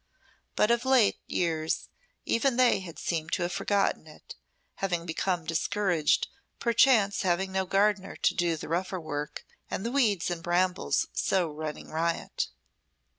But of late years even they had seemed to have forgotten it, having become discouraged, perchance, having no gardeners to do the rougher work, and the weeds and brambles so running riot.